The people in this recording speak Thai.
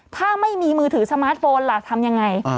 ถ้าไม่มีมือถือสมาร์ทโฟนล่ะทำยังไง